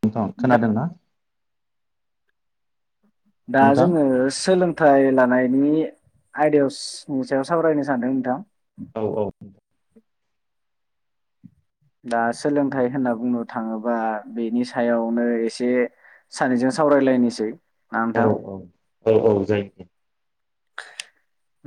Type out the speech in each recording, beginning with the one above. नोंथां खोनादोंना? दा नोंथां? जोङो सोलों फोथाय लानायनि आयदानि सायाव सावरायनो सानदों नोंथां औ औ। दा सोलोंथाइ होनना बुंनो थाङोबा बेनि सायावनो एसे सानैजों सावरायलायनोसै। ना औ नोंथां औ औ औ जायो।।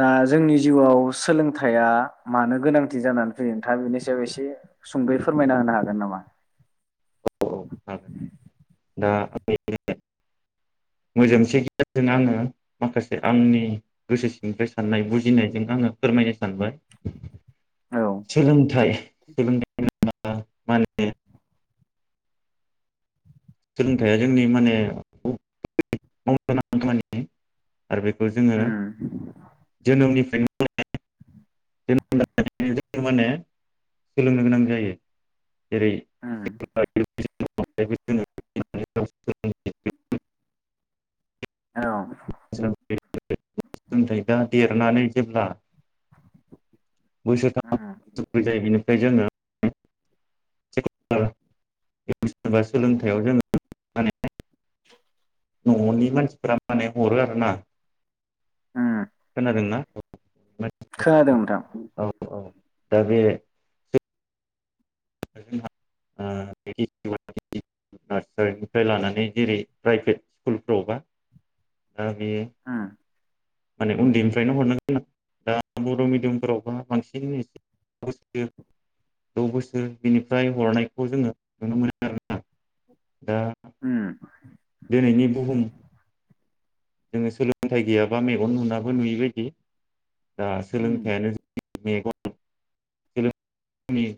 दा जोंनि जिउआव सोलोंथाइया मानो गोनांथि जानानै फैयो नोंथांआ बेनि सायाव एसे सुंदै फोरमायना होनो हागोन नामा? औ। दा मोजोमसे गियजों आङो माखासे आंनि गोसो सिंफ्राय साननाय बुजिनायजों आङो फोरमायनो सानबाय औ सोलोंथाइ [unintelligible] सोलोंथाइया जोंनि माने [unintelligible] आरो बेखौ जोङो उम जोनोमनि [unintelligible] माने सोलोंनो गोनां जायो जेरै उम [unintelligible] [unintelligible] [unintelligible] औ। [unintelligible] देरनानै जेब्ला उम बोसोरथामोै बेनिफ्राय जोङो [unintelligible] बा उम सोलोंथाइयाव जोङो माने ननि मानसिफोरा माने हरो आरोना उम खोनादोंना? खोनादों नोंथां औ औ दा बे [unintelligible] दा बे उम माने उन्दैनिफ्रायनो हरनांगोनां दा बर मिडियामफोरावबा बा बांसिन [unintelligible] बोसोर द बोसोर बेनिफ्राय हरनायखौ जोङो नुनो मोनो आरोना दा उम दिनैनि बुहुम जोङो सोलोंथाइ गैयाबा मेगन नुनाबो नुयि बादि दा उम सोलोंथायानो जोंनि मेगन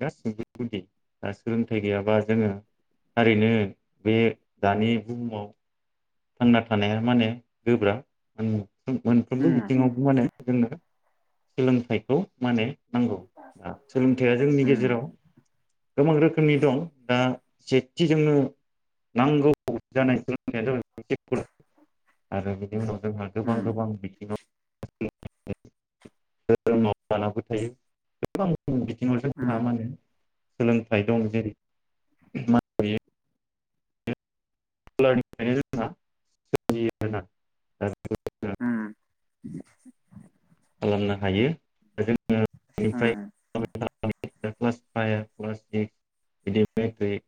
गासैबो गुदि दा सोलोंथाइ गैयाबा जोङो थारैनो बे दानि बुहुमाव थांना थानाया माने गोब्राब आं मोनफ्रोमबो उम बिथिङावबो माने जोंनो सोलोंथाइखौ माने नांगौ ओ सोलोंथाइया जोंनि उम गेजेराव गोबां रोखोमनि दं दा सेथिजोंनो नांगौ जानाय सोलोंनाया जाबाय [unintelligible] आरो उनाव जोंहा गोबां गोबां उम बिथिङाव [unintelligible] धोरोमाव लानांगौ थायो गोबां बिथिाव जोंहा माने सोलोंथाइ दं जेरै [unintelligible] उम [unintelligible] [inaudible] खालामनो हायो जों आंङो बेनिफ्राय नोंथांनाव उम क्लास फाइभ क्लास ओइद बिदि मेट्रिक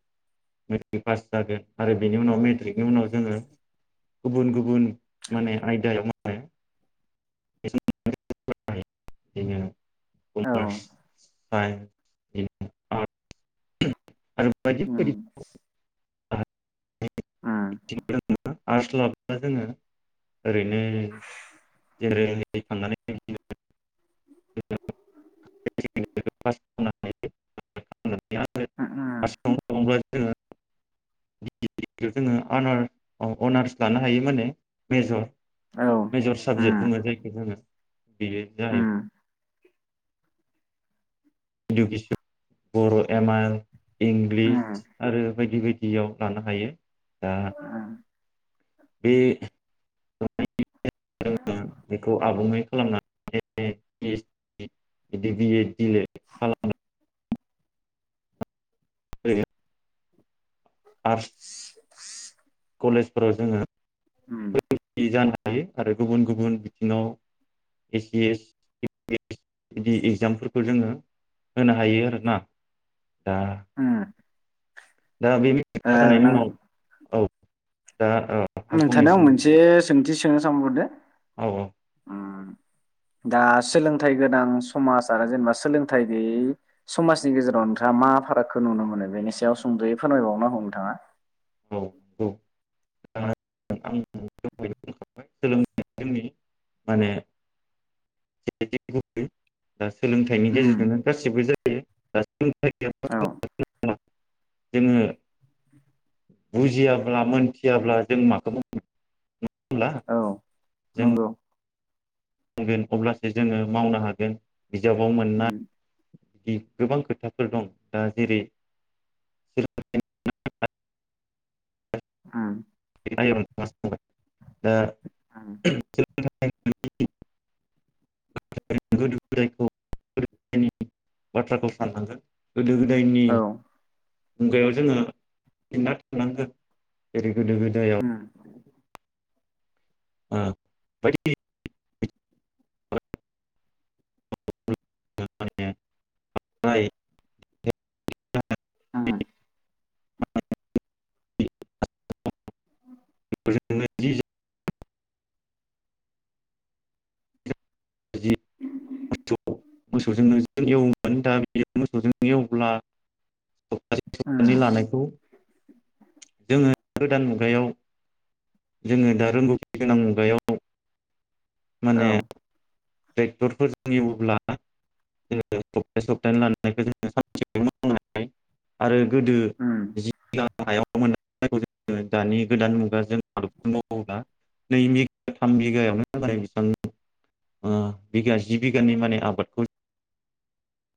मेट्रिक पास जागोन आरो बेनि उनाव मेट्रिकनि उनाव जोङो गुबुन गुबुन माने आयदायाव [unintelligible] [unintelligible] खमारस साइनस [unintelligible] बायदि बायदि [unintelligible] आर्स लाबा जोङो ओरैनो ए [unintelligible] [unintelligible] जोंङो [unintelligible] जोङो आनार अनार्स लानो हायो माने मेजर मेजर साबजेक्ट बुङो जायखौ जोङो बियो जाय बिन्दु किसु बर' एमाल इंलिस आरो बायदि बायदियाव लानो हायो दा [unintelligible] बे [unintelligible] [unintelligible] बेखौ आबुङै खालामनानै [unintelligible] बिदि बि एड [unintelligible] [unintelligible] आर्स कलेजफोराव जोङो उम जानो हायो आरो गुबुन गुबुन बिथिङाव ए सि एस [unintelligible] बिदि एगजामफोरखौ जोङो होनो हायो आरो ना दा दा बे [unintelligible] औ दा औ नोंथांनियाव फंनैसो आं मोनसे सोंथि सोंनो सानबावदो औ औ उम दा सोलोंथाइ गोनां समाज आरो जेनेबा सोलोंथाइ गैयै समाजनि गेजेराव नोंथाङा मा फारागखौ नुनो मोनो बेनि सायाव सुंद'यै फोरमायबावनांगौ नोंथाङा। औ औ [unintelligible] सोलोंथाइया जोंनि माने [unintelligible] सोलोंथाइनि गेजेरजोंनो गासिबो जायो औ [unintelligible] जोङो बुजियाब्ला मोनथियाब्ला जों माखौ [unintelligible] औ नंगौ [unintelligible] अब्लासो जोङो मावनो हागोन बिजाबाव मोनना [unintelligible] गोबां खोथाफोर दं दा जेरै [unintelligible] उम [unintelligible] दा [unintelligible] [unintelligible] बाथ्राखौ साननांगोन गोदो गोदायनि औ मुगायाव जोङो फिनना थानांगोन जेरै गोदो गोदायाव उम [inaudible] [unintelligible] [inaudible] [unintelligible] [unintelligible] मोसौजोंनो [unintelligible] [unintelligible] एवब्ला [unintelligible] लानायखौ जोङो गोदान मुगायाव जोङो दा रोंगौथि गोनां मुगायाव माने टेक्ट'रफोर जों एवोब्ला [unintelligible] आरो गोदो [unintelligible] हायाव [unintelligible] दानि गोदान मुगा जों आ‌दबजों मावोब्ला नै बिगा थाम बिगायावनो जायो बे ओ बिगा जि बिगानि माने आबादखौ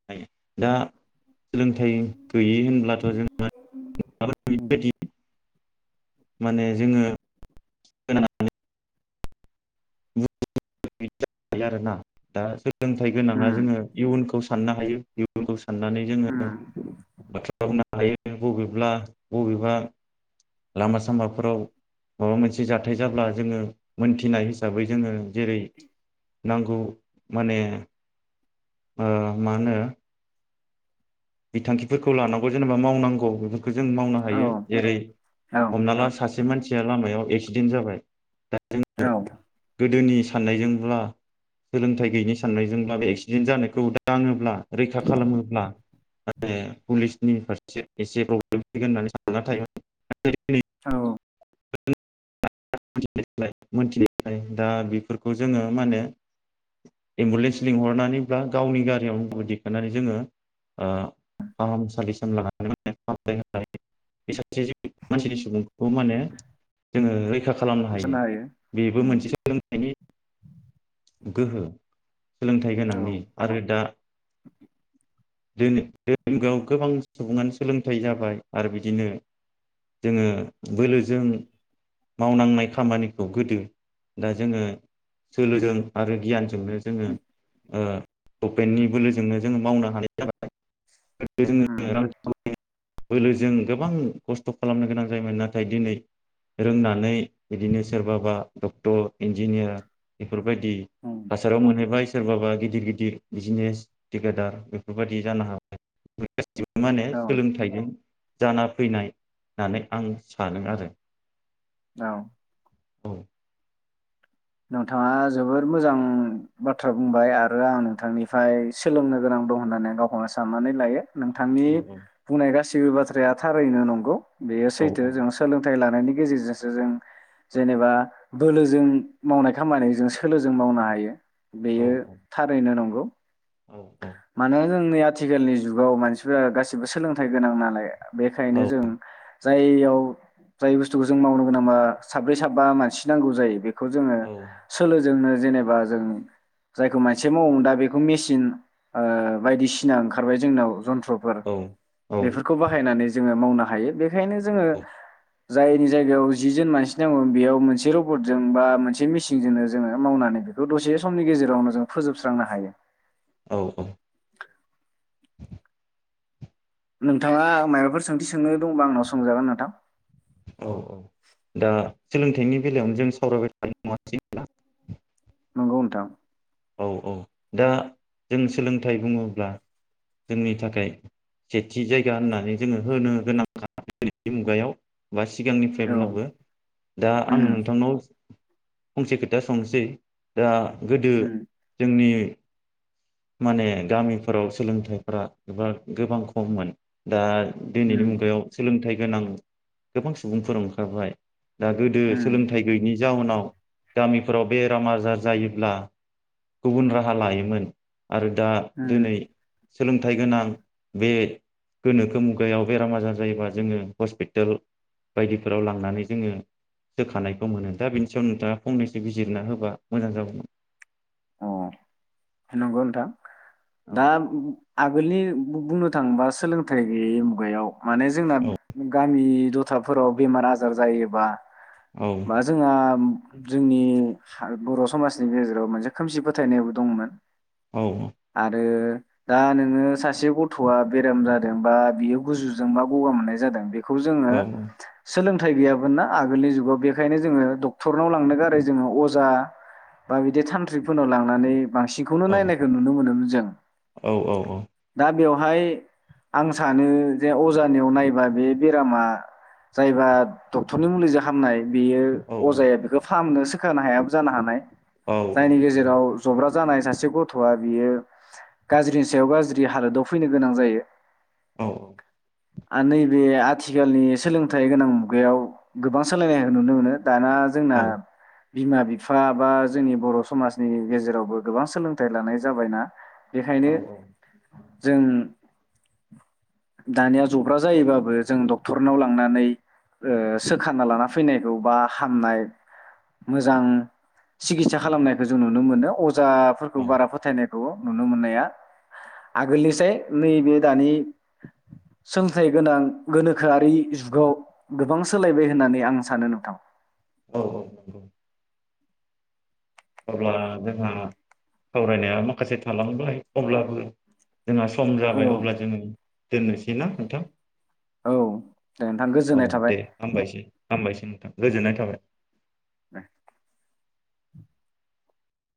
[unintelligible] दा सोलोंथाइ गैयि होनब्लाथ' जों [unintelligible] माने जोङो [unintelligible] [unintelligible] आरोना दा सोलोंथाइ गोनाङा जोङो इयुनखौ साननो हायो साननानै जोङो औ बाथ्रा [unintelligible] लायो बबेब्ला बबेबा लामा सामाफोराव माबा मोनसे जाथाय जाब्ला जोङो मोनथिनाय हिसाबै जोङो जेरै नांगौ माने ओ‌ मा होनो बिथांखिफोरखौ लानांगौ जेनेबा मावनांगौ। बे खौ जों मावनो हायो औ जेरै औ हमना ला सासे मानसिया लामायाव ए क्सिडेन्ट जाबाय जोङो औ गोदोनि साननायजोंब्ला सोलोंथाइ गैयिनि साननायजोंब्ला बे एक्सिडेन्ट जानायखौ दाङोब्ला रैखा खालामोब्ला आरो पुलिस नि फारसे एसे प्रब्लेम फैगोन होननानै सानना‌ थायो औ [unintelligible] दा बेफोरखौ जोङो मा होनो एम्बुलेन्स लिंहरनानैब्ला गावनि गारियावनो दिखनानै जोङो ओ‌ फाहामसालि सिम लानानै [unintelligible] बे सासे मानसिनि सुबुंखौ माने जोङो रैखा खालामनो हायो बेबो मोनसे सोलोंथाइनि गोहो सोलोंथाइ गोनांनि आरो दा दोरोआव गोबां सुबुङानो सोलोंथाइ जाबाय आरो बिदिनो जोङो बोलोजों मावनांनाय खामानिखौ गोदो दा जोङो सोलोजों आरो गियान जोंनो जोङो ओ पेन्टनि बोलोजोंनो जोङो मावना [unintelligible] जोङो बोलोजों गोबां खस्थ' खालामनो गोनां जायोमोन नाथाय दिनै रोंनानै बिदिनो सोरबाबा डक्टर इन्जिनियार बेफोरबायदि औ थासाराव मोनहैबाय सोरबाबा गिदिर गिदिर बिजनेस थिकदार बेफोर बेफोरबायदि जानो हाबाय। गासिबो मा होनो औ सोलोंथाइजों जाना फैनाय होननानै आं सानो आरो। औ औ नोंथाङा जोबोद मोजां बाथ्रा बुंबाय आरो आं नोंथांनिफ्राय सोलोंनो गोनां होन्नानै गावखौनो साननानै लायो। नोंथांनि औ बुंनाय गासिबो गिबि बाथ्राया थारैनो नंगौ। बेयो औ सैथो औ जों सोलोंथाइ लानो। गेजेर जों जेनेबा बोलोजों मावनाय खामानिजों सोलोजों मावनो हायो। औ बेयो थारैनो नंगौ। हेल' औ औ जोंनि आथिखालनि जुगाव मानसिफ्रा गासिबो सोलोंथाइ गोनां नालाय। औ बेखायनो जों जाययाव जाय बुस्थुखौ जों मावनो गोनांबा साब्रै साबा मानसि नांगौ जायो। बे बेखौ जोङो औ सोलो जों जेनेबा जों जायखौ मानसिआ मावो दा बेखौ मेसिन ओ बायदिसिना ओंखारबाय जोंनाव जन्थ बेफोरखौ बाहायनानै जोङो मावनो। हायो बेखायनो जोङो जायनि जायगायाव जि जोन मानसि नांगौ बेयाव मोनसे रबटजों बा मोनसे मेचनजोंनो जोङो मावनानै बेखौ दसे समनि गेजेरावनो जों फोजोबस्रांनो हायो। औ औ। [unintelligible] नोंथाङा माबाफोर सोंथि सोंनो दंबा आंनाव सोंजागोन नोंथां। औ औ दा सोलोंथाइनि बेलायावनो जों सावरायबाय थानाय [unintelligible] नंगौ नोंथां। औ औ दा जों सोलोंथाइ बुङोब्ला जोंनि थाखाय सेथि जायगा होननानै जोङो होनो गोनांखा मुगायाव बा औ सिगांनिफ्रायब्लाबो दा आं उम नोंथांनाव फंसे खोथा सोंनोसै दा गोदो उम जोंनि माने गामिफोराव सोलोंथाइफोरा एबा गोबां खममोन दा दिनैनि उम मुगायाव सोलोंथाइ गोनां गोबां सुबुंफोर ओंखारबाय दा गोदो उम सोलोंथाइ गैयिनि जाउनाव गामिफोराव बेराम आजार जायोब्ला गुबुन राहा लायोमोन। आरो दा उम दिनै सोलोंथाइ गोनां बे गोनोखो मुगायाव बेराम आजार जायोबा जोङो हस्पिटाल बायदिफोराव लांनानै जोङो होखानायखौ मोनो दा बेनि सायाव नोंथाङा फंनैसो बिजिरना होबा मोजां जागौमोन। अ नंगौ नोंथां। औ दा आगोलनि बुंनो थांबा सोलोंथाइ गैयै मुगायाव माने जोंना औ गामि दथाफोराव बेमार आजार जायोबा बा जोंहा जोंनि बर' समाजनि गेजेराव मोनसे खोमसि फोथायनायबो दंमोन। औ आरो दा नोङो सासे गथ'आ बेराम जादों बा बियो गुजुजों बा गगा मोननाय जादों बे खौजोङो औ सोलों थाय गोयामोनना आगोलनि जुगाव बेखायनो जों डक्थरनाव लांनो गारै अजा बा बिदि तान्थ्रिख ट्रिपफोरनाव लांनानै बांसिनखौनो औ नायनायखौ नुनो मोनोमोन जों औ औ दा बेवहाय आं सानो जे अजानियाव नायबा बे बेरामा जायबा डक्टरनि मुलिजों हामनाय बेयो औ अजाया बेखौ फाहामनो सोखानो हायाबो जानो हानाय। औ औ जायनि गेजेराव जब्रा जानाय सासे गथ'वआ बियो गाज्रिनि सायाव गाज्रिनि हालोदाव फैनो गोनां जायो। औ। आ नैबे आथिखालनि सोलोंथाइ गोनां मुगायाव गोबां सालायनायखौ नुनो मोनो। दाना औ जोंना बिमा बिफा बा जोंनि बर' समाजनि गेजेरावबो गोबां सोलोंथाइ लानाय जाबायना। औ बेखायनो जों दानिया जब्रा जायोबाबो जों डक्टरनाव लांनानै ओ सोखाना लाना फैनायखौ बा हामनाय मोजां सिकित्सा खालामनाय जों नुनो मोनो अज जाफोरखौ औ बारा फोथायनाय खौ नुनो मोननाया आगोलनिसाय नैबे दानि सोलोंथाइ गोनां गोनोखोआरि जुगाव गोबां सोलायबाय होननानै आं सानो नोंथां। औ औ नोंगौ। अब्ला जोंहा सावरायनाया माखासे थालांबाय अब्लाबो जोंहा सम औ जाबाय अब्ला जोङो दोननोसै ना नोंथां? औ दे नोंथां औ गोजोननाय दे थाबाय। हामबायसै हामबायसै नोंथां गोजोननाय थाबाय। [unintelligible]